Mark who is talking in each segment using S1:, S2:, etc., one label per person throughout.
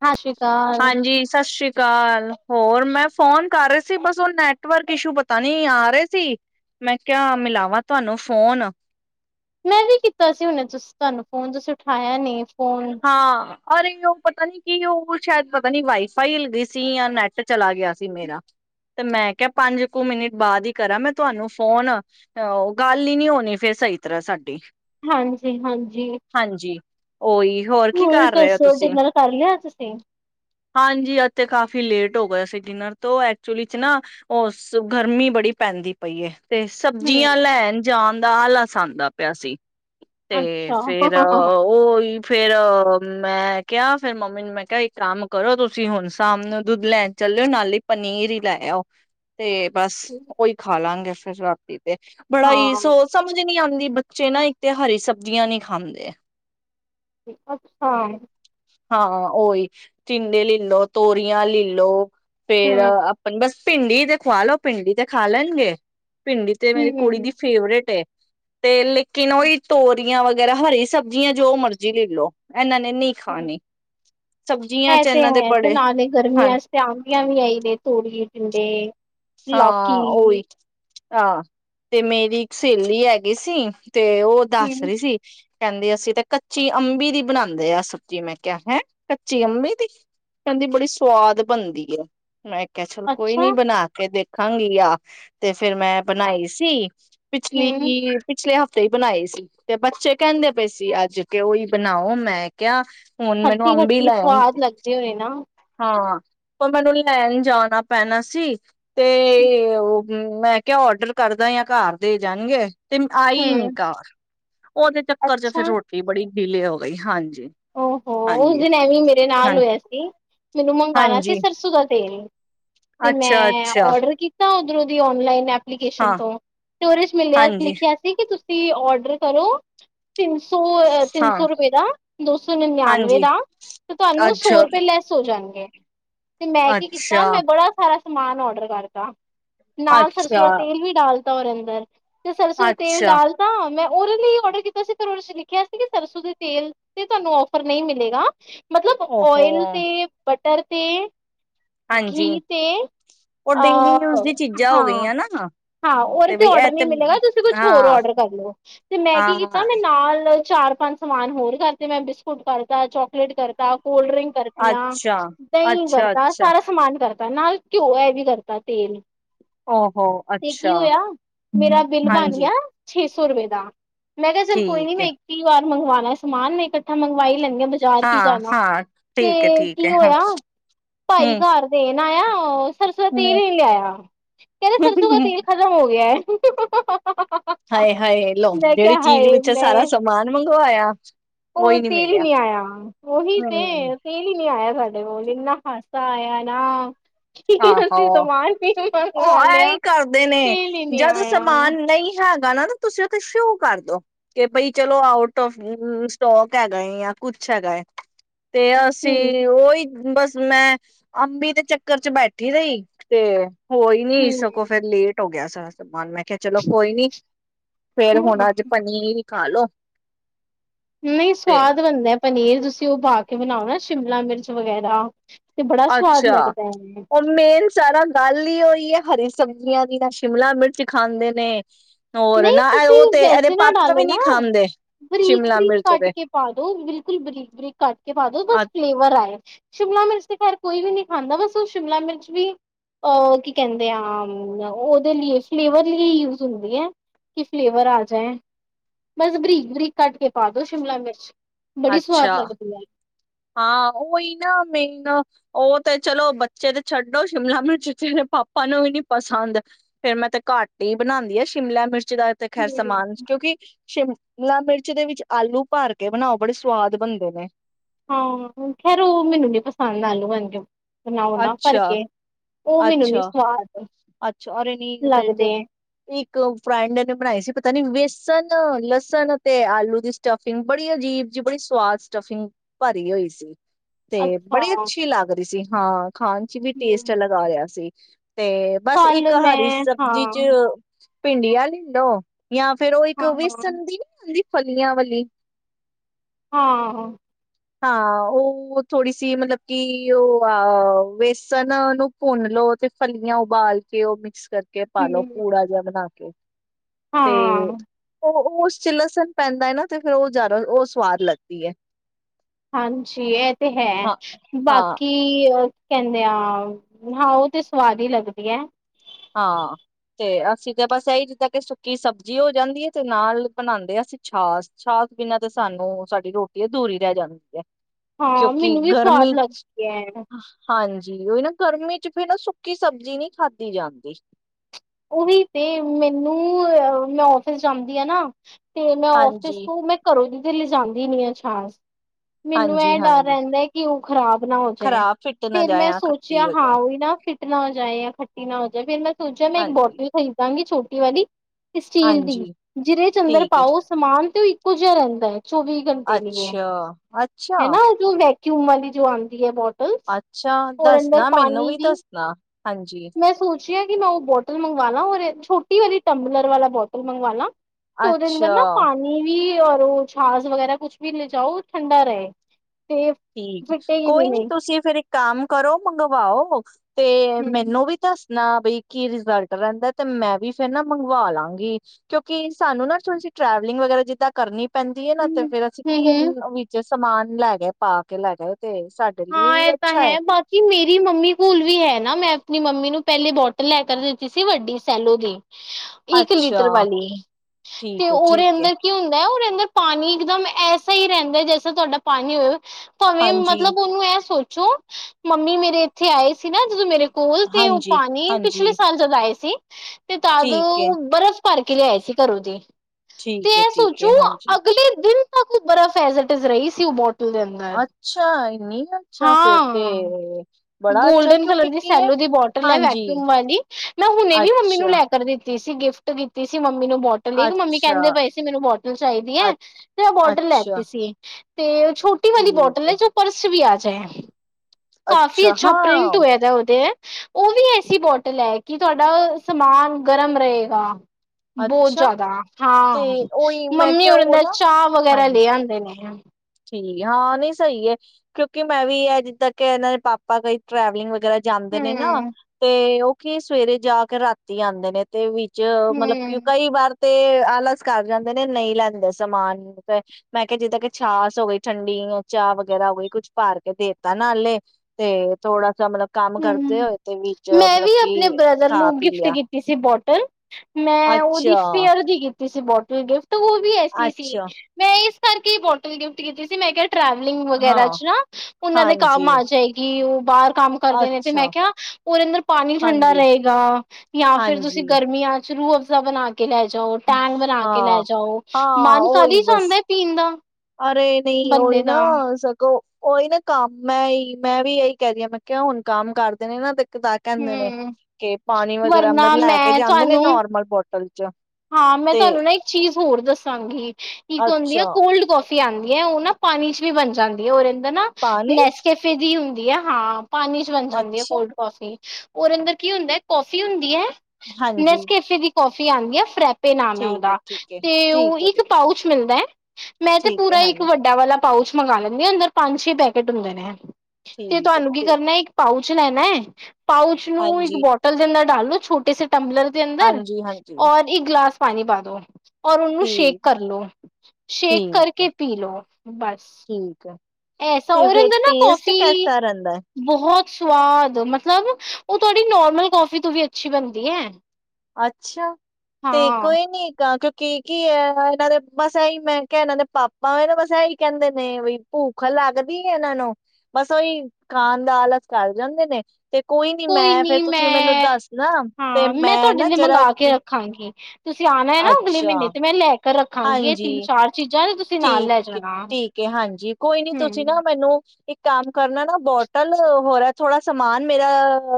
S1: ਸਤਿ ਸ਼੍ਰੀ ਅਕਾਲ
S2: ਕਾਲ, ਹੋਰ ਮੈਂ ਫੋਨ ਕਰ ਰਹੀ ਸੀ ਬਸ ਹੁਣ ਨੈਟਵਰਕ ਇਸ਼ੂ ਪਤਾ ਨਹੀਂ ਆ ਰਹੇ ਸੀ ਮੈਂ ਕਿਹਾ ਮਿਲਾਵਾ ਤੁਹਾਨੂੰ ਫੋਨ ਮੇਰਾ ਨਾਮ
S1: ਮੈਂ ਨਹੀਂ ਕੀਤਾ ਸੀ ਹੁਣ ਤੁਸੀਂ ਤੁਹਾਨੂੰ ਫੋਨ ਤੁਸੀਂ ਉਠਾਇਆ ਨਹੀਂ
S2: ਹਾਂ। ਔਰ, ਇਹ ਉਹ ਪਤਾ ਨਹੀਂ ਕਿ ਉਹ ਸ਼ਾਇਦ ਪਤਾ ਨਹੀਂ ਵਾਈਫਾਈ ਲਗੀ ਸੀ ਜਾਂ ਨੈਟ ਚਲਾ ਗਿਆ ਸੀ ਮੇਰਾ ਤੇ ਮੈਂ ਕਿਹਾ ਪੰਜ ਕੁ ਮਿੰਟ ਬਾਅਦ ਹੀ ਕਰਾ ਮੈਂ ਤੁਹਾਨੂੰ ਫੋਨ ਗਾਲ ਹੀ ਨਹੀਂ ਹੋਣੀ ਫਿਰ ਸਹੀ ਤਰਾਂ ਸਾਡੀ
S1: ਹਾਂਜੀ, ਹਾਂਜੀ
S2: ਹਾਂਜੀ ਉਹੀ ਹੋਰ ਕੀ
S1: ਹੋ
S2: ਕਰ ਰਹੇ ਹੋ
S1: ਦੱਸੋ
S2: ਤੁਸੀਂ
S1: ਡਿਨਰ ਕਰ ਲਿਆ ਤੁਸੀ
S2: ਹਾਂਜੀ, ਇੱਥੇ ਕਾਫੀ ਲੇਟ ਹੋ ਗਿਆ ਸੀ ਡਿਨਰ ਤੋਂ ਐਕਚੁਲੀ ਚ ਨਾ ਉਹ ਗਰਮੀ ਬੜੀ ਪੈਂਦੀ ਪਈ ਤੇ
S1: ਹਮ
S2: ਸਬਜ਼ੀਆਂ ਲੈਣ ਜਾਣ ਤੇ ਦਾ ਆਲਾ ਸਾਂਦਾ ਪਿਆ ਸੀ ਤੇ
S1: ਅੱਛਾ
S2: ਫੇਰ ਉਹ ਫਿਰ ਮੈਂ ਕਿਹਾ ਫੇਿਰ ਮੰਮੀ ਨੂੰ ਮੈਂ ਕਿਹਾ ਇੱਕ ਕੰਮ ਕਰੋ ਤੁਸੀਂ ਹੁਣ ਸ਼ਾਮ ਨੂੰ ਦੁੱਧ ਲੈਣ ਚੱਲਿਓ ਨਾਲ ਹੀ ਪਨੀਰ ਹੀ ਲੈ ਆਓ ਤੇ ਬਸ ਉਹੀ ਖਾ ਲਵਾਂਗੇ ਸਰਾਰਤੀ ਤੇ ਬੜਾ
S1: ਹਾਂ
S2: ਸੋਚ- ਸਮਝ ਨੀ ਆਉਂਦੀ। ਬੱਚੇ ਨਾ ਇੱਕ ਤੇ ਹਰੀ ਸਬਜ਼ੀਆਂ ਨੀ ਖਾਂਦੇ।
S1: ਅੱਛਾ।
S2: ਹਾਂ, ਔਹੀ ਟੀਡੇ ਲੇਲੋ, ਤੋਰੀਆਂ ਲੈਲੋ। ਫੇਰ
S1: ਹਮ
S2: ਆਪਨ ਬਸ ਭਿੰਡੀ ਤੇ ਖਵਾ ਲੋੋ ਭਿੰਡੀ ਤੇ ਖਾ ਲੈਣਗੇ। ਭਿਂਡੀ ਤੇ ਮੇਰੀ ਕੁੜੀ
S1: ਇਹ
S2: ਦੀ ਫੇਵਰੇਟ ਹੈ। ਤੇਰੇ ਲਈ ਕਿਨੇ ਹੀ ਤੋਰੀਆਂ ਵ ਵਗੈਰਾ ਹਰੀ ਸਬਜ਼ੀਆਂ ਜੋ ਮਰਜ਼ੀ ਲੈ ਲਓ ਇਹਨਾਂ ਨੇ ਨਹੀਂ ਖਾਣੀ ਸਬਜ਼ੀਆਂ
S1: ਇਹ
S2: ਚ
S1: ਤੇ
S2: ਇਹਨਾਂ ਦੇ
S1: ਹੈ, ਤੇ
S2: ਬੜੇ
S1: ਨਾਲੇ ਗਰਮੀੀਆਂ
S2: ਹਨ
S1: ਵਸਤੇ ਆਉਂਦੀਆਂ ਵੀ ਆਈ ਨੇ ਤੋਰੀ, ਟਿੰਡੇ
S2: ਹਾਂ
S1: ਲੌਕੀ
S2: ਉਹੀ। ਆਹ ਤੇ ਮੇਰੀ ਇੱਕ ਸਹੇਲੀ ਹੈਗੀ ਸੀ। ਤੇ, ਉਹ ਦੱਸ
S1: ਹਮ
S2: ਰਹੀ ਸੀ। ਕਹਿੰਦੀ, ਅਸੀਂ ਤੇ ਕੱਚੀ ਅੰਬੀ ਦੀ ਬਣਾਉਂਦੇ ਆ ਸਬਜ਼ੀ ਮੈਂ ਕਿਹਾ, ਹੈਂ ਕੱਚੀ ਅੰਬੀ ਦੀ ਕਹਿੰਦੀ, ਬੜੀ ਸਵਾਦ ਬਣਦੀ ਹੈ ਮੈਂ ਮੈ ਕਿਆ, ਚਲ ਕੋਈ
S1: ਅੱਛਾ
S2: ਨੀ ਬਣਾ ਦੇਖਾਂਗੀ, ਆ ਤੇ ਫੇਿਰ ਮੈਂ ਬਣਾਈ ਸੀ।
S1: ਹਮ
S2: ਪਿਛਲੀ, ਪਿਛਲੇ ਹਫ਼ ਤੇ ਸਹੀ ਬਣਾਏ ਸੀ ਤੇ ਬੱਚੇ ਕਹਿੰਦੇ ਪਏ ਸੀ, ਅੱਜ ਕੇ ਉਹੀ ਬਣਾਓ ਮੈਂ ਕਿਹਾ ਹੁਣ ਮੈਨੂੰ ਅੰਬੀ
S1: ਖੱਟੀ-ਖੱਟੀ,
S2: ਲੈਣ
S1: ਸਵਾਦ ਲੱਗਦੇ ਹੋਏ ਨਾ।
S2: ਹਾਂ ਪਰ ਮੈਨੂੰ ਲੈਣ ਜਾਣਾ ਪੈਣਾ ਸੀ, ਤੇ ਮੈਂ ਕਿਹਾ ਔਡਰ ਕਰਦਾ ਜਾਂ ਘਰ ਦੇ ਜਾਣਗੇ। ਤੇ ਆਈ ਨੀ
S1: ਹਮ
S2: ਘਾਰ। ਉਹਦੇ ਚੱਕਰ ਚ ਫਿਰ ਰੋਟੀ ਬੜੀ ਡੀਲੇ ਹੋ ਗਈ, ਹਾਂਜੀ।
S1: ਉਹ- ਹੋ ਉਸ
S2: ਹਾਂਜੀ
S1: ਦਿਨ ਐਵੇਂ ਮੇਰੇ
S2: ਹਾਂ
S1: ਨਾਲ ਹੋਇਆ ਸੀ। ਮੈਨੂੰ ਮੰਗਾਣਾ ਸੀ
S2: ਹਾਂਜੀ
S1: ਸਰਸੋ ਦਾ ਤੇਲ ਤੇ
S2: ਅੱਛਾ
S1: ਮੈਂ
S2: ਅੱਛਾ
S1: ਆਰਡਰ ਕੀਤੀ ਹਾਂ, ਉਧਰੋਂ ਦੀ ਔਨਲਾਈਨ ਐ ਐਪਲੀਕੇਸ਼ਨ
S2: ਹਾਂ
S1: ਤੋਂ, ਸਟੋਰੇਜ ਮਿਲਿਆ,
S2: ਹਾਂਜੀ
S1: ਲਿਖਿਆ ਸੀ ਕਿ ਤੁਸੀਂ ਤੁਸੀਂ ਔਡਰ ਕਰੋ, ਤੇ ਸੌ ਇਹ ਤਿਨ
S2: ਹਾਂ
S1: ਸੌ ਰੁਪਏ ਦਾ। ਦੋ ਸੌ ਨੀਨਯਨਵੇਂ
S2: ਹਾਂਜੀ
S1: ਦਾ, ਤੇ ਤੁਹਾਨੂੰ ਸੌ
S2: ਅੱਛਾ
S1: ਰੁਪਏ ਲੈਸ ਹੋ ਜਾਨ ਚਣਗੇ, ਤੇ ਮੈਂ ਕੀ ਕੀਤਾ
S2: ਅੱਛਾ
S1: ਮੈਂ ਬੜਾ ਸਾਰਾ, ਸਮਾਨ ਔਡਰ ਕਰਤਾ, ਨਾਲ
S2: ਅੱਛਾ
S1: ਸਰਸੋਂ ਦਾ ਤੇਲ ਵੀ ਡਾਲ, ਤੋਰ ਅੰਦਰ, ਤੇ ਸਰਸ ਤੇਲ
S2: ਅੱਛਾ
S1: ਡਾਲ ਤਾ, ਮੈਂ। ਔਡਰ ਹੀ ਉਹਨੇ ਕੀਤਾ ਸੀ ਫਿਰ ਲਿਖਿਆ ਸੀ ਸਰਸੋਂ ਦੇ ਤੇਲ ਤੇ ਤੁਹਾਨੂੰ ਔਫਰ ਨਹੀਂ ਮਿਲੇਗਾ, ਮਤਲਬ
S2: ਓਹੋ
S1: ਓਇਲ ਤੇ ਬ ਡਰ ਤੇ,
S2: ਹਾਂਜੀ
S1: ਕੀਠੀ ਤੇ,
S2: ਉਹ ਡੇਲੀ ਯੂਜ
S1: ਅਹ
S2: ਦੀ ਚੀਜ਼ਾਂ ਹੋ
S1: ਹਾਂ,
S2: ਗਈਆਂ ਨਾ
S1: ਹਾਂ ਉਹਦੇ ਤੇ ਔਡਰ ਨਹੀਂ ਮਿਲੇਗਾ ਤੁਸੀਂ ਕੁਛ ਹੋਰ
S2: ਹਾਂ
S1: ਔਡਰ ਕਰ ਲਓ, ਤੇ ਮੈਂ ਕੀ
S2: ਹਾਂ
S1: ਕੀਤਾ ਮੈਂ ਨਾਲ ਚਾਰ ਪੰਜ ਸਮਾਨ ਹੋਰ ਕਰ ਤੇ ਮੈਂ ਬਿਸਕੁਟ ਕਰਤਾ ਚੌਕਲੇਟ ਕਰਤਾ, ਕੋਲ ਡਰਿੰਕ ਕਰਤੀਆਂ
S2: ਅੱਛਾ
S1: ਦਹੀਂ
S2: ਅੱਛਾ
S1: ਕਰਤਾ
S2: ਅੱਛਾ
S1: ਸਾਰਾ ਸਮਾਨ ਕਰਤਾ, [unintelligible] ਨਾਲ ਘਿਓ ਐ ਵੀ ਕਰਤਾ ਤੇਲ,
S2: ਓਹੋ
S1: ਤੇ
S2: ਅੱਛਾ
S1: ਕੀ ਹੋਇਆ ਮੇਰਾ ਬਿੱਲ ਬਣ
S2: ਹਾਂਜੀ
S1: ਗਿਆ ਛੇ ਸੌ ਸੁਰਮੇ ਦਾ, ਮੈ ਕਿਹਾ ਚੱਲ ਕੋਈ ਨਹੀਂ
S2: ਠੀਕ ਹੈ
S1: ਮੈਂ ਇਕ ਹੀ ਬਾਰ, ਮੰਗਵਾਉਣਾ ਸਮਾਨ ਮ ਇਕੱਠਾ ਮੰਗ ਬਾਈ, [unintelligible] ਲੈਂਦੇ ਹ ਬਜ਼ਾਰ ਕੀ
S2: ਹਾਂ
S1: ਜਾਣਾ
S2: ਹਾਂ ਠੀਕ ਹੈ
S1: ਤੇ
S2: ਠੀਕ ਹੈ
S1: ਕੀ
S2: ਹਾਂ
S1: ਹੋਇਆ ਭਾਈ
S2: ਹਮ
S1: ਘਰ ਦੇ ਨ ਆਇਆ ਉਹ ਸੋਰਸੋ ਦਾ ਤੇਲ ਹੀ ਨਹੀਂ ਆਇਆ ਕਹਿੰਦੇ ਸਰਸੋ ਦਾ
S2: ਹਮ
S1: ਤੇਲ ਹੀ ਖਤਮ ਹੋ ਗਿਆ ਹੈ। [unintelligible]
S2: ਹਾਏ ਹਾਏ ਲਓ
S1: ਮੈਂ
S2: ਜਿਹੜੀ
S1: ਕਿਹਾ
S2: ਚੀਜ਼
S1: ਹਾਏ
S2: ਵਿੱਚ ਸਾਰਾ
S1: ਮੈਂ
S2: ਸਮਾਨ ਮੰਗਵਾਇਆ, ਅੱਛਾ,
S1: ਉਹ ਤੇਲ ਹੀ ਨੀ ਆਇਆ ਉਹੀ
S2: ਹਮ
S1: ਤੇ ਤੇਲ ਹੀ ਨੀ ਆਇਆ। ਸਾਡੇ ਨੂੰ ਇਨਾ ਹਾਸਾ ਆਇਆ ਨਾ, [unintelligible]
S2: ਔ ਐਈ ਕਰਦੇ ਨੇ
S1: ਤੇਲ ਹੀ ਨੀ
S2: ਜਦ
S1: ਆਇਆ
S2: ਸਮਾਨ
S1: ਹੂੰ
S2: ਨਹੀਂ ਹ ਹੈਗਾ ਨਾ ਤੁਸੀਂ ਔਥੇ ਸ਼ੋਅ ਕਰਦੋ ਕਿ ਬਈ ਚਲੋ ਆਊਟ ਔਫ ਸਟੋਕ ਹੈਗਾ ਜਾਂ ਕੁਛ ਹੈਗਾ। ਤੇ ਅਸੀਂ ਔਹੀ। ਬਸ ਮੈਂ ਅੰਬੀ ਦੇ ਚੱਕਰ ਚ ਬੈਠੀ ਰਹੀ ਤੇ ਹੋਈ ਨਹੀਂ ਸਗੋਂ
S1: ਹੂੰ
S2: ਫੇਰ ਲੇਟ ਹੋ ਗਿਆ ਸਾਰਾ ਸਮਾਨ ਮੈ ਕਿਆ ਚਲੋ ਕੋਈ ਨੀ ਫੇਰ
S1: ਹੂੰ
S2: ਹੁਣ ਅੱਜ ਪਨੀਰ ਖਾਲੋ।
S1: ਨਹੀਂ ਸਵਾਦ ਬਣਦਾ ਪਨੀਰ ਤੁਸੀਂ ਤੇ ਉਹ ਪਾ ਕੇ ਬਣਾਔ ਨਾ ਸ਼ਿਮਲਾ ਮਿਰਚ ਵਗੈਰਾ। ਤੇ ਬੜਾ ਸਵਾਦ
S2: ਅੱਛਾ
S1: ਲੱਗਦਾ ਹੈ
S2: ਔ ਮੇਨ ਸਾਰਾ ਗੱਲ ਹੀ ਹੋਈ ਹੈ ਹਰੀ ਸ ਸਬਜ਼ੀਆਂ ਦੀਆਂ ਸ਼ਿਮਲਾ ਮਿਰਚ ਖਾਂਦੇ ਨੇ। ਹੋਰ
S1: ਨਹੀਂ
S2: ਨਾ
S1: ਤੁਸੀਂ
S2: ਉਹ ਤੇ ਇਹਦੇ
S1: ਵੈਸੇ ਨਾ
S2: ਪਾਪਾ
S1: ਡਾਲੋ
S2: ਵੀ ਨੀ
S1: ਨਾ
S2: ਖਾਂਦੇ
S1: ਬਰੀਕ
S2: ਸ਼ਿਮਲਾ
S1: ਬਰੀਕ
S2: ਮਿਰਚ
S1: ਕੱਟ
S2: ਦੇ
S1: ਕੇ ਪਾ ਦੋ ਬਿਲਕੁਲ ਬਰੀਕ ਬਰੀਕ ਕੱਟ ਕੇ ਪਾ ਦੋ ਬਸ ਫਲੇਵਰ ਆਏ। ਸ਼ਿਮਲਾ ਮਿਰਚ ਤੇ ਖੈਰ ਕੋਈ ਵੀ ਨਹੀਂ ਖਾਂਦਾ ਬਸ ਉਹ ਸ਼ਿਮਲਾ ਮਿਰਚ ਵੀ ਅਹ ਕੀ ਕਹਿੰਦੇ ਆ ਉਹਦੇ ਲਈ ਫਲੇਵਰ ਲਈ ਯੂਜ ਹੁੰਦੀ ਹੈ। ਕੀ ਫਲੇਵਰ ਆ ਜਾਏ ਬਸ ਬਰੀਕ ਬਰੀਕ ਕੱਟ ਕੇ ਪਾ ਦੋ ਸ਼ਿਮਲਾ ਮਿਰਚ। ਬੜੀ ਸਵਾਦ
S2: ਅੱਛਾ
S1: ਲੱਗਦੀ ਹੈ।
S2: ਹਾਂ ਉਹੀ ਨਾ ਮੇਨ ਉਹ ਤੇ ਚਲੋ ਬੱਚੇ ਤੇ ਛੱਡੋ ਸ਼ਿਮਲਾ ਮਿਰਚ ਤ ਏਰੇ ਪਾਪਾ ਨੂੰ ਵੀ ਨੀ ਪਸੰਦ ਫੇਿਰ ਮੈਂ ਤੇ ਘੱਟ ਹੀ ਬਣਾਦੀ ਆ ਸ਼ਿਮਲਾ ਮਿਰਚ। [inaudible] ਖੈਰ
S1: ਹੈ
S2: ਸਮਾਨ ਚ ਕਿਉਂਕਿ ਸ਼ਿਮਲਾ ਮਿਰਚ ਦੇ ਵਿੱਚ ਆਲੂ ਭਰ ਕੇ ਬਣਾਓ ਬੜੇ ਸਵਾਦ ਬਣਦੇ ਨੇ।
S1: ਹਾਂ, ਖੈਰ ਉਹ ਮੈਨੂੰ ਨੀ ਪਸੰਦ ਆਲੂ ਬਣਕੇ
S2: ਅੱਛਾ,
S1: ਮੈਨੂੰ ਨੀ
S2: ਅੱਛਾ,
S1: ਸਵਾਦ
S2: ਅੱਛਾ, ਔਰ ਇਹਨੀ ਮੇਰੇ
S1: ਲੱਗਦੇ
S2: ਤੇ ਇੱਕ ਫਰੈਂਡ ਨੇ ਬਣਾਈ ਸੀ ਪਤਾ ਨੀ ਵੇ ਸਣ ਲਸਣ ਅਤੇ ਆਲੂ ਦੀ ਸਟਫਿੰਗ ਬੜੀ ਅਜੀਬ ਜੀ ਬੜੀ ਸਵਾਦ ਸਟਫਿੰਗ ਭਰੀ ਹੋਈ ਸੀ। ਤੇ
S1: ਅੱਛਾ
S2: ਬੜੀ ਅੱਛੀ ਲੱਗ ਰਹੀ ਸੀ। ਹਾਂ। ਖਾਣ ਚ ਵੀ ਟੇਸਟ
S1: ਹੂੰ
S2: ਅਲਗ ਆ ਰਿਹਾ ਸੀ। [inaudible] ਤੇ ਬਸ ਇੱਕ
S1: ਕੱਲ ਮੈਂ
S2: ਹਰੀ ਸਬਜ਼ੀ ਚ
S1: ਹਾਂ
S2: ਭਿੰਡੀਆਂ ਲੇਲੋ। ਜਾਂ ਫੇਿਰ ਉਹ ਇੱਕ
S1: ਹਾਂ ਹਾਂ
S2: ਵੇਸਨ ਦੀ ਨੀ ਹੁੰਦੀ ਫਲੀਆਂ ਵਾਲੀ।
S1: ਹਾਂ।
S2: ਹਾਂ, ਔ ਥੋੜ੍ਹੀ ਸੀ ਮਤਲਬ ਕਿ ਔ ਆ ਵੇਸਣ ਨੂੰ ਭੁੰਨ ਲੋ ਤੇ ਫਲੀਆਂ ਉਬਾਲ ਕੇ ਉਹ ਮਿਕਸ ਕਰ ਕੇ ਪਾਾਲੋ
S1: ਹੂੰ
S2: ਪੂੜਾ ਜਿਹਾ ਬਣਾ ਕਿ ਤੇ
S1: ਹਾਂ
S2: ਉਸ ਵਿੱਚ ਲਸਣ ਪੈਂਦਾ ਹੈ ਨਾ ਤੇ ਫੇਿਰ ਉਹ ਜ਼ਿਆਦਾ ਉਹ ਸਵਾਦ ਲੱਗਦੀ ਹੈ
S1: ਹਾਂਜੀ ਇਹ ਤੇ ਹੈ
S2: ਹਾਂ ਹਾਂ
S1: ਬਾਕੀ ਕਹਿੰਦੇ ਆ ਹਾਂ ਉਹ ਤੇ ਸਵਾਦ ਹੀ ਲੱਗਦੀ ਹੈ
S2: ਹਾਂ ਤੇ ਅਸੀਂ ਤਾਂ ਬਸ ਇਹੀ ਜਿੱਦਾਂ ਕਿ ਸੁੱਕੀ ਸਬਜ਼ੀ ਹੋ ਜਾਂਦੀ ਹੈ ਤੇ ਨਾਲ ਬਣਾਉਂਦੇ ਹੈ ਅਸੀਂ ਛਾਸ ਛਾਸ ਬਿਨਾਂ ਤੇ ਸਾਨੂੰ ਸਾਡੀ ਰੋਟੀ ਅਧੂਰੀ ਰਹਿ ਜਾਂਦੀ ਹੈ
S1: ਹਾਂ
S2: ਕਿਉਂਕਿ
S1: ਮੈਨੂੰ ਵੀ ਸਵਾਦ ਲੱਗਦੀ ਹੈ
S2: ਜੀ ਔਈ ਨਾ ਗਰਮੀ ਚ ਫਿਰ ਨਾ ਸੁੱਕੀ ਸਬਜ਼ੀ ਨਈ ਖਾਧੀ ਜਾਂਦ [unintelligible]
S1: ਔਹੀ ਤੇ ਮੈਨੂੰ ਅ ਮੈਂ ਆਫ਼ਿਸ ਜਾਂਦੀ ਆ ਨਾ ਤੇ ਮੈਂ ਆਫ਼ਿਸ
S2: ਹਾਂਜੀ
S1: ਤੋਂ ਮੈਂ ਕਰ ਘਰੋਂ ਦੀ ਤੇ ਲਜਾਂਦੀ ਨੀ ਐ ਸ਼ਾਜ਼। ਮੈਨੂੰ
S2: ਹਾਂਜੀ
S1: ਇਹ ਡਰ
S2: ਹਾਂਜੀ
S1: ਰਹਿੰਦੈ ਕਿ ਔ ਖ਼ਰਾਬ ਨਾ ਹੋ ਜਾਏ।
S2: ਖ਼ਰਾਬ ਫਿੱਟ ਨਾ
S1: ਫੇਰ
S2: ਜਾਏ
S1: ਮੈਂ
S2: ਹਾਂ
S1: ਸੋਚਿਆ
S2: ਖੱਟੀ ਹੋ
S1: ਹਾਂ
S2: ਜਾਏ
S1: ਔਈ ਨਾ ਫਿੱਟ ਨਾ ਹੋ ਜਾਏ ਯਾਂ ਖੱਟੀ ਨਾ ਹੋ ਜਾਏ ਫੇਰ ਮੈਂ ਸੋਚਿ ਕੱਲ ਇੱਕ
S2: ਹਾਂਜੀ
S1: ਬੋਟਲ ਖਰੀਦਾ ਦਾਂਗੀ ਛੋਟੀ ਵਾਲੀ ਇਸਟੀਲ ਦੀ।
S2: ਹਾਂਜੀ
S1: ਜਿਰੇ ਚ ਅੰਦਰ
S2: ਠੀਕ ਹੈ
S1: ਪਾਓ
S2: ਜੀ।
S1: ਸਮਾਨ ਤੇ ਔ ਇੱਕੋ ਜਿਆ ਰਹਿੰਦਾ ਏ, ਚੌਵੀ ਘੰਟੇ ਲੀਏ।
S2: ਅੱਛਾ ਅੱਛਾ
S1: ਹੈਨਾ ਜੋ ਵੈਕ ਕਯੁਮ ਵਾਲੀ ਜੋ ਆਂਦੀ ਐ ਬੋ
S2: ਅੱਛਾ ਦੱਸਣਾ, ਮੈਨੂੰ ਵੀ ਦੱਸਣਾ ਹਾਂਜੀ
S1: ਮੈਂ ਸੋਚਿਐ ਕਿ ਮੈਂ ਔ ਬੋਟਲ ਮੰਗਵਾ ਲਾ ਔਰ ਛੋਟ ਵੀ ਵਾਲੀ ਟੰਬਲਰ ਵਾਲਾ ਬੋਤਲ ਮੰਗਵਾ ਲ਼ਾ। ਤੇ ਉਹਦੇ ਅੰਦਰ
S2: ਅੱਛਾ
S1: ਨਾ ਪਾਣੀ ਵੀ ਤੇ ਔਰ ਔ ਛਾਸ ਵਗੈਰਾ ਕੁਛ ਵੀ ਲਜਾਓ ਠੰਡਾ ਰਏ।
S2: ਠੀਕ ਕੋਈ ਨੀ ਤੁਸੀਂ ਫਿਰ ਇੱਕ ਕੰਮ ਕਰੋ ਮੰਗਵਾਓ ਤੇ
S1: ਹੂੰ,
S2: ਮੈਨੂੰ ਵੀ ਦੱਸ ਨਾ ਬਈ ਕੀ ਰਿਜਲਟ ਰਹਿੰਦਾ ਤੇ ਮੈਂ ਵੀ ਫੇਰ ਨਾ ਮੰਗਵਾ ਲਾਂਗੀ ਕਿਉਂਕਿ ਸਾਨੂੰ ਨਾ ਥੋੜੀ ਜੀ ਟਰੈਵਲਿੰਗ ਵਗੈਰਾ ਜਿੱਦਾਂ ਕਰਨੀ ਪੈਂਦੀ ਏ ਨਾ ਤੇ ਫੇਰ ਅਸੀਂ ਕੀ ਏ
S1: ਹੂੰ-ਹੂੰ।
S2: ਅ ਵਿੱਚ ਸਮਾਨ ਲੈ ਕੇ ਪਾ ਕੇ ਲੈ ਗਏ ਤੇ ਸਾਡੇ ਲਈ
S1: ਹਾਂ
S2: ਵੀ
S1: ਇਹ ਤਾਂ
S2: ਅੱਛਾ
S1: ਹੈ ਬਾਕੀ ਮੇਰੀ ਮੰਮੀ ਕੋਲ ਵੀ ਹੈ ਨਾ ਮੈਂ ਆਪਣੀ ਮੰਮੀ ਨੂੰ ਪੈਲੇ ਬੋਟਲ ਲੈ ਕਰ ਦਿੱਤੀ ਸੀ ਵੱਡੀ, ਸੈਲੋ ਦੀ। ਇੱਕ
S2: ਅੱਛਾ
S1: ਲੀਟਰ ਵਾਲੀ ਤੇ
S2: ਠੀਕ ਹੈ
S1: ਔਰੇ
S2: ਠੀਕ ਹੈ
S1: ਅੰਦਰ ਕੀ ਹੁੰਦੈ ਔਰੇ ਅੰਦਰ ਪਾਣੀ ਇਕਦਮ ਐਸਾ ਈ ਰਹਿੰਦੈ ਜੈਸੇ ਤੁਆਡਾ ਪਾਣੀ ਔ।
S2: ਹਾਂਜੀ।
S1: ਉਹਨੂੰ ਇਹ ਸੋਚੋ ਮੰਮੀ ਮੇਰੇ ਇੱਥੇ ਆਏ ਸੀ ਨਾ ਜਦੋਂ ਮੇਰੇ ਕੋਲ ਤੇ ਉਹ
S2: ਹਾਂਜੀ
S1: ਪਾਣੀ
S2: ਹਾਂਜੀ
S1: ਪਿਛਲੇ ਸਾਲ ਜਦ ਆਏ ਸੀ ਤੇ
S2: ਠੀਕ ਹੈ
S1: ਤਦੋਂ ਬਰਫ਼ ਭਰ ਕੇ ਲਿਆਏ ਸੀ ਘਰੋਂ ਦੀ ਤੇ
S2: ਠੀਕ ਹੈ
S1: ਇਹ
S2: ਠੀਕ
S1: ਸੋਚੋ
S2: ਹੈ ਹਾਂਜੀ
S1: ਅਗਲੇ ਦਿਨ ਔਕੁ ਬਰਫ਼ ਐਜ਼ ਇਟ ਇਜ਼ ਰਈ ਸੀ ਔ ਬੋਟ
S2: ਅੱਛਾ! [unintelligible] ਫਿਰ ਤੇ
S1: ਹਾਂ!
S2: ਬੜਾ ਅੱਛਾ
S1: ਗੋਲਡਨ ਕਲਰ
S2: ਕਿਉਂਕਿ
S1: ਦੀ
S2: ਕੀ ਹੈ
S1: ਸੈਲੋ ਦੀ ਬੋਟਲ ਹੈ
S2: ਹਾਂਜੀ
S1: ਵੈਕਊਮ ਵਾਲੀ ਮੈਂ ਹੁਣੇ ਵੀ ਮੰਮੀ ਨੂੰ
S2: ਅੱਛਾ,
S1: ਲੈ ਕਰ ਦਿੱ ਸੀ ਗਿਫਟ ਕੀਤੀ ਸੀ ਮੰਮ ਮੰਮੀ ਨੂੰ ਬੋਟਲ ਦੀ ਮੰਮੀ
S2: ਅੱਛਾ,
S1: ਕਹਿੰਦੇ ਪਏ ਸੀ ਮੈਨੂੰ ਬੋਟਲ ਚਾਹੀਦੀ ਹੈ
S2: ਅ
S1: ਤੇ ਮੈਂ ਬੋਟਲ
S2: ਅੱਛਾ
S1: ਲੈਤੀ ਸੀ ਤੇ ਛੋਟੀ ਵਾਲੀ ਬੋਟਲ ਐ ਜੋ ਪਰਸ ਚ ਵੀ ਆ [unintelligible] ਕਾਫੀ ਅੱਛਾ ਪ੍ਰਿੰਟ ਹੋਐਦੈ ਉਹਦੇ ਉਹ ਵੀ ਐਸੀ ਬੋਟਲ ਹੈ ਕਿ ਤੁਹਾਡਾ ਸਮਾਨ ਗਰਮ ਰਹੇਗਾ ਬਹੁਤ
S2: ਅੱਛਾ
S1: ਜਾਦਾ,
S2: ਤੇ
S1: ਹਾਂ!
S2: ਉਹੀ ਮੈਂ
S1: ਮੰਮੀ
S2: ਕਿਹਾ
S1: ਉਰਾਂ
S2: ਉਹ
S1: ਦਾ
S2: ਨਾ
S1: ਚਾਹ ਵਗੈਰਾ ਲੇ
S2: ਹਾਂਜੀ।
S1: ਆਂਦੇ ਨੇ।
S2: ਠੀਕ ਏ, ਹਾਂ ਨੀ ਸਹੀ ਹੈ ਕਿਉਂਕਿ ਮੈਂ ਵੀ ਇਹ ਜਿੱਦਾਂ ਕਿ ਇਹਨਾਂ ਦੇ ਪਾਪਾ ਕਈ ਟਰੈਵਲਿੰਗ ਵਗੈਰਾ ਜਾਂਦੇ ਨੇ ਨਾ
S1: ਹਮ
S2: ਤੇ ਉਹ ਕਿ ਸਵੇਰੇ ਜਾ ਕੇ ਰਾਤੀ ਆਂਦੇ ਨੇ ਤੇ ਵੀ ਚ ਮਤਲਬ ਕਿ ੳ
S1: ਹਮ
S2: ਕਈ ਵਾਰ ਤੇ ਆਲਸ ਕਰ ਜਾਂਦੇ ਨੇ ਨਹੀਂ ਲੈਂਦੇ ਸਮਾਨ ਤੇ ਮੈਂ ਕਿਹਾ ਜਿੱਦਾਂ ਕਿ ਛਾਸ ਹੋ ਗਈ ਠੰਡੀ, ਚਾਹ ਵਗੈਰਾ ਹੋ ਗਈ, ਕੁੱਛ ਪਾਾਰ ਕੇ ਦੇਤਾ ਨਾਲੇ ਤੇ ਥੋੜਾ ਮਤਲਬ ਕੰਮ
S1: ਹਮ
S2: ਕਰਦੇ ਹੋਏ ਤੇ ਵਿੱਚ
S1: ਮੈਂ ਵੀ
S2: ਮਤਲਬ ਕਿ ਖਾ ਪੀ ਲਿਆ
S1: [unintelligible] [unintelligible]
S2: ਅੱਛਾ
S1: ਕਿਸੇ ਬੋਟਲ ਗਿਫਟ ਤੇ ਉਹ ਵੀ ਐਸੀ ਸੀ।
S2: ਅੱਛਾ
S1: ਮੈਂ ਇਸ ਕਰਕੇ ਬੋਟਲ ਗਿਫ਼ਟ ਕੀਤੀ ਸੀ ਮੈਂ ਕਿਹਾ ਟਰੈਵਲਿੰਗ ਵਗੈਰਾ
S2: ਹਾਂ
S1: ਚ ਨਾ ਉਹਨਾਂ ਦੇ ਕੰਮ
S2: ਹਾਂਜੀ
S1: ਆ ਜਾਏਗੀ ਉਹ [unintelligible] ਕਰਦੇ ਨੇ ਤੇ ਮੈਂ
S2: ਅੱਛਾ
S1: ਕਿਹਾ ਉਹਦੇ ਅੰਦਰ ਪਾਣੀ ਠੰਡਾ
S2: ਹਾਂਜੀ
S1: ਰਹੇਗਾ ਯਾਂ ਫਿਰ ਤੁਸੀਂ
S2: ਹਾਂਜੀ
S1: ਗਰਮੀਆਂ ਚ ਰੂਹਫ [unintelligible] ਕੇ ਲੈ ਜਾਓ, ਟੈੰਗ ਬਣਾ ਕੇ ਲੈ
S2: ਹਾਂ
S1: ਜਾਓ,
S2: ਹਾਂ
S1: ਮਨ ਕਰ
S2: ਉਹੀ
S1: ਹੀ
S2: ਬਸ
S1: ਜਾਂਦਾ ਪੀਣ ਦਾ!
S2: ਅਰੇ ਨਹੀਂ ਉਹੀ
S1: ਬੰਦੇ
S2: ਨਾ
S1: ਦਾ
S2: ਸਗੋਂ ਉਹੀ ਨਾ ਕੰਮ ਮੈਂ ਈ ਮੈਂ ਵੀ ਇਹੀ ਕਹਿ ਰਹੀ ਹਾਂ ਮੈਂ ਕਿਹਾ ਹੁਣ ਕੰਮ ਕਰਦੇ ਨੇ ਨਾ ਤੇ ਤਾਂ ਕਹਿੰਦੇ ਨੇ,
S1: ਹੂੰ।
S2: ਕੇ ਪਾਣੀ ਵਗੈਰਾ ਮਤਲਬ
S1: ਵਰਨਾ
S2: ਲੈ ਕੇ
S1: ਮੈਂ
S2: ਜਾਂਦੇ ਨੇ
S1: ਤੁਹਾਨੂੰ
S2: ਨੋਰਮਲ ਬੋਟਲ ਚ
S1: ਹਾਂ ਮੈਂ
S2: ਤੇ
S1: ਤੁਹਾਨੂੰ ਨਾ ਇੱਕ ਚੀਜ਼ ਹੋਰ ਦੱਸਾਂਗੀ ਇੱਕ ਹੁੰਦੀ ਆ
S2: ਅੱਛਾ
S1: ਕੋਲਡ ਕੋਫ ਆਂਦੀ ਹੈ ਉਹ ਨਾ ਪਾਣੀ ਚ ਵੀ ਬਣ ਜਾਂਦੀ ਹੈ ਉਹ ਹੈਨਾ
S2: ਪਾਣੀ ਚ
S1: ਨੈਸਕੈਫੇ ਦੀ ਹੁੰਦੀ ਹਾਂ [unintelligible] ਪਾਣੀ ਚ ਬਣ ਜਾਂਦੀ ਹੈ
S2: ਅੱਛਾ
S1: ਕੋਲਡ ਕੌਫੀ ਹੋਰ ਅੰਦਰ ਕੀ ਹੁੰਦਾ, ਕੌਫੀ ਹੁੰਦੀ ਹੈ
S2: ਹਾਂਜੀ
S1: ਨੈਸਕੈਫੇ ਦੀ ਕੋਫੀ ਫ੍ਰੀ ਆਂਦੀ ਐ ਪ੍ਰੈ ਏ ਨਾਮ ਹੈ
S2: ਠੀਕ
S1: ਉਹਦਾ,
S2: ਠੀਕ ਹੈ
S1: ਤੇ
S2: ਠੀਕ
S1: ਉਹ
S2: ਹੈ
S1: ਇੱਕ
S2: ਜੀ
S1: ਪਾਊਚ ਮਿਲਦਾ ਹੈ ਮੈਂ ਤੇ
S2: ਠੀਕ
S1: ਪੂਰਾ
S2: ਹੈ
S1: ਇੱਕ
S2: ਹਾਂਜੀ
S1: ਵੱਡਾ ਵਾਲਾ ਪਾਊਚ ਮੰਗਵਾ ਲੈਂਦੀ ਹਾਂ ਅੰਦਰ ਪੰਜ ਛੇ ਪੈਕੇਟ ਹੁੰਦੇ ਨੇ ਤੇ
S2: ਠੀਕ ਹੈ
S1: ਤੁਹਾਨੂੰ ਕੀ
S2: ਤੇ
S1: ਕਰਨਾ ਇੱਕ ਪਾਊਚ ਕੁਛ ਲੈਨਾ ਏ ਪਾਊਚ ਨੂੰ ਇੱਕ
S2: ਹਾਂਜੀ
S1: ਬੋਟਲ ਦੇ ਅੰਦਰ ਡਾਲੋ ਛੋਟੇ ਸੇ ਟੰਬਲਰ ਦੇ ਅੰਦਰ
S2: ਹਾਂਜੀ ਹਾਂਜੀ
S1: ਔਰ ਇਕ ਗਲਾਸ ਪਾਣੀ ਪਾ ਦੋ ਔਰ ਉਹਨੂੰ ਸ਼ੇਕ
S2: ਠੀਕ
S1: ਕਰ ਲੋ ਸ਼ੇਕ
S2: ਠੀਕ ਹੈ
S1: ਕਰਕੇ ਪੀ ਲਓ ਬਸ
S2: ਠੀਕ ਹੈ
S1: ਐਸਾ
S2: ਤੇ
S1: ਔਦੇ
S2: ਫਿਰ
S1: ਅੰਦਰ ਨਾ
S2: ਟੇਸਟ
S1: ਕੌਫੀ
S2: ਕੈਸਾ ਰਹਿੰਦਾ ਹੈ
S1: ਬਹੁਤ ਬਹੁਤ ਸਵਾਦ ਮਤਲਬ ਉਹ ਥੋੜੀ ਨੋਰਮਲ ਕਾਫੀ ਤੋਂ ਵੀ ਅੱਛੀ ਬਣਦੀ ਹੈ
S2: ਅੱਛਾ ਤੇ
S1: ਹਾਂ
S2: ਕੋਈ ਨੀ ਗਾਹਕ ਕੀ ਕੀ ਹੈ ਇਹਨਾਂ ਦੇ ਬਸ ਇਹੀ ਮੈਂ ਕਿਹਾ ਇਹਨਾਂ ਦੇ ਪਾਪਾ ਨਾ ਬਸ ਇਹੀ ਕਹਿੰਦੇ ਨੇ ਵੀ ਭੂਖ ਲੱਗਦੀ ਹੈ ਇਹਨਾਂ ਨੂੰ ਬਸ ਉਹੀ ਖਾਣ ਦਾ ਆਾਲਤ ਕਰ ਜਾਂਦੇ ਨੇ ਤੇ ਕੋਈ ਨੀ ਮੈਂ ਫੇਰ ਤੁਸੀਂ ਮੈਨੂੰ ਦੱਸਨਾ ਤੇ
S1: ਹਾਂ ਮੈਂ ਤੁਹਾਡੇ
S2: ਨਾ
S1: ਲਈ
S2: ਜਰਾ
S1: ਮੰਗਵਾ ਕੇ
S2: ਕਿ-
S1: ਰੱਖਾਂਗੇ [unintelligible] ਤੁਸੀਂ ਆਣਾ ਹੈ ਨਾ ਅਗਲੇ
S2: ਅੱਛਾ
S1: ਮਹੀਨੇ ਤੇ ਮੈਂ ਲੈ ਕੇ ਰੱਖਾਂਗੀ। ਇਹ
S2: ਹਾਂਜੀ
S1: ਤਿੰਨ-ਚਾਰ ਚੀਜ਼ਾਂ ਤੇ ਤੁਸੀਂ ਨਾਲ ਲੈ
S2: ਠੀਕ,
S1: ਜਾਣਾ
S2: ਠੀਕ ਏ ਹਾਂਜੀ ਕੋਈ ਨੀ ਤੁਸੀਂ ਨਾ
S1: ਹਮ
S2: ਮੈਨੂੰ ਇੱਕ ਕੰਮ ਕਰਨਾ ਨਾ ਬੋਟਲ, ਹੋਰ ਥੋੜਾ ਸਮਾਨ ਮੇਰਾ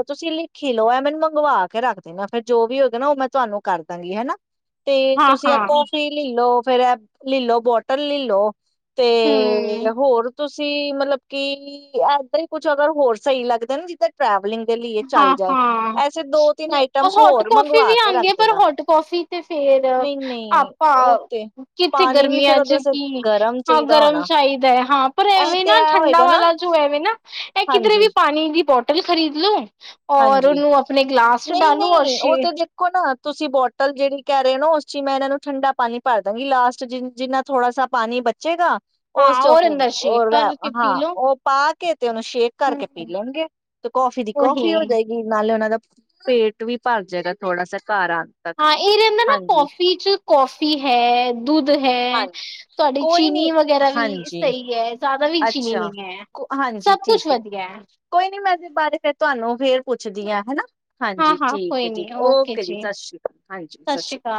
S2: ਤੁਸੀਂ ਲਿਖੀ ਲਓ। ਇਹ ਮੈਨੂੰ ਮੰਗਵਾ ਕੇ ਰੱਖ ਦੇਣਾ ਫਿਰ ਜੋ ਵੀ ਹੋਗਾ ਨਾ ਉਹ ਮੈਂ ਤੁਹਾਨੂੰ ਕਰ ਦਾਂਗੀ। ਹੈ ਨਾ ਤੇ
S1: ਹਾਂ
S2: ਤੁਸੀਂ ਆ
S1: ਹਾਂ
S2: ਕੋਫੀ ਲਇ ਲਓ ਫੇਰ ਇਹ ਲਿਲੋ ਬੋਟਲ ਲਲੋ [unintelligible] ਤੇ, ਨਹੀ ਹੈ
S1: ਹਮ
S2: ਹੋਰ ਤੁਸੀਂ ਮਤਲਬ ਕਿ ਇੱਦਾਂ ਹੀ ਕੁਛ ਅਗਰ ਹੋਰ ਸਹੀ ਲੱਗਦਾ ਨਾ, ਜਿੱਦਾਂ ਟਰੈਵਲਿੰਗ ਦੇ ਲੀਏ ਚੱਲ
S1: ਹਾਂ
S2: ਜਾਏ।
S1: ਹਾਂ,
S2: ਐਸੇ ਦੋ ਤਿੰਨ ਆਈਟਮਸ
S1: ਹੋਟ
S2: ਹੋਰ
S1: ਕੌਫੀ
S2: ਮੰਗਵਾ
S1: ਵੀ
S2: ਕੇ ਰੱਖ
S1: ਆਉਂਦੀ ਏ ਪਰ
S2: ਦੇਣਾ
S1: ਹੋਟ ਕੌਫੀ ਤੇ ਫੇਰ
S2: ਨਈ-ਨਈ ਉਹ
S1: ਆਪਾਂ
S2: ਤੇ
S1: ਕਿੱਥੇ
S2: ਪਾਣੀ ਵੀ
S1: ਗਰਮੀਆਂ
S2: ਫੇਰ
S1: ਐ ਚ
S2: ਉਹਦੇ ਵਾਸਤੇ
S1: ਕੀ
S2: ਗਰਮ
S1: ਹਾਂ
S2: ਚਾਹੀਦਾ
S1: ਗਰਮ
S2: ਹੋਣਾ।
S1: ਚਾਹੀਦਾ ਹੈ। ਹਾਂ, ਪਰ
S2: ਇਹ
S1: ਐਵੇਂ
S2: ਤੇ
S1: ਨਾ
S2: ਇਹ
S1: ਠੰਡਾ
S2: ਹੋਏਗਾ ਨਾ
S1: ਵਾਲਾ ਜੋ ਐਵੇ ਨਾ ਇਹ ਕਿਧਰੇ
S2: ਹਾਂਜੀ
S1: ਵੀ ਪਾਣੀ ਦੀ ਬੋਟਲ ਇਹ ਵੀ ਖਰੀਦ ਲੋ। ਔਰ
S2: ਹਾਂਜੀ
S1: ਉਹਨੂੰ ਆਪਣੇ ਗਲਾਸ ਚ
S2: ਨਹੀਂ
S1: ਡਾਲੋ ਔਰ
S2: ਨਹੀਂ,
S1: ਸ਼ੇ
S2: ਉਹ ਤੇ ਦੇਖੋ ਨਾ ਤੁਸੀਂ ਬੋਟਲ ਜਿਹੜੀ ਕਹਿ ਰਹੇ ਹੋ ਨਾ ਉਸ ਚ ਹੀ ਮੈਂ ਇਹਨਾਂ ਨੂੰ ਠੰਡਾ ਪਾਣੀ ਭਰ ਦਾਂਗੀ। ਲਾਸਟ ਜਿ ਜਿੰਨਾ ਥੋੜਾ ਸਾ ਪਾਣੀ ਬਚੇਗਾ ਉਸ
S1: ਹਾਂ
S2: ਚੋਂ
S1: ਔਰ
S2: ਹੂ
S1: ਅੰਦਰ ਸ਼ੇਕ
S2: [unintelligible]
S1: ਕਰਕੇ ਪੀ
S2: ਹਾਂ
S1: ਲੋ।
S2: ਉਹ ਪਾ ਕੇ ਤੇ ਉਹਨੂੰ ਸ਼ੇਕ
S1: ਹੂੰ
S2: ਕਰਕੇ ਪੀ ਲੈਣਗੇ ਤੇ ਕੌਫੀ ਦੀ ਕੌਫੀ ਹੋ
S1: ਉਹੀ
S2: ਜਾਏਗੀ, ਨਾਲੇ ਉਹਨਾਂ ਦਾ ਪੇਟ ਵੀ ਭਰ ਜਾਏਗਾ ਥੋੜਾ ਸਾ ਘਰ ਆਣ ਤੱਕ
S1: ਹਾਂ, ਇਹ ਰਹਿੰਦਾ ਨਾ
S2: ਹਾਂਜੀ
S1: ਕੌਫੀ ਚ ਕੌਫੀ ਹੈ। ਦੁੱਧ [unintelligible] ਹੈ
S2: ਹਾਂਜੀ
S1: ਤੁਹਾਡੀ
S2: ਕੋਈ
S1: ਚੀਨੀ
S2: ਨੀ
S1: ਵਗੈਰਾ ਵੀ
S2: ਹਾਂਜੀ
S1: ਸਹੀ ਹੈ। ਜ਼ਿਆਦਾ ਵੀ ਚੀਨੀ
S2: ਅੱਛਾ
S1: ਨਹੀਂ ਹੈ।
S2: ਕੋ- ਹਾਂਜੀ
S1: ਸਭ
S2: ਠੀਕ
S1: ਕੁਛ ਵਧੀਆ ਹੈ।
S2: ਕੋਈ ਨੀ ਮੈਂ ਇਹਦੇ ਬਾਰੇ ਫੇਰ ਤੁਹਾਨੂੰ ਫੇਰ ਪੁੱਛਦੀ ਆ। ਹਨਾ ਹਾਂਜੀ
S1: ਹਾਂ-ਹਾਂ
S2: ਠੀਕ
S1: ਕੋਈ
S2: ਹੈ।
S1: ਨੀ
S2: ਠੀਕ, ਓਕੇ ਜੀ ਸਤਿ ਸ਼੍ਰੀ ਅਕਾਲ। ਹਾਂਜੀ, ਸਤਿ ਸ਼੍ਰੀ ਅਕਾਲ।